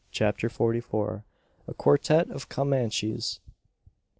CHAPTER FORTY FOUR. A QUARTETTE OF COMANCHES.